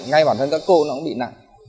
ngay bản thân các cô nó cũng bị nặng